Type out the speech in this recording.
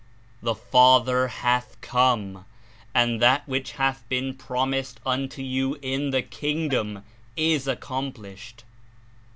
The Father hath come, and that which hath been promised unto you in the Kingdom is accomplished.